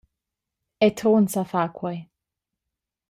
Era Trun sa far quei.